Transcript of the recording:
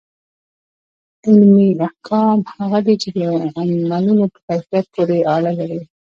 عملي احکام هغه دي چي د عملونو په کيفيت پوري اړه لري.